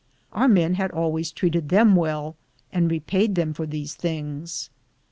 Our men had always treated them well and repaid them for these things.